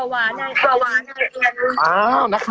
วาวาร้ายเอ็น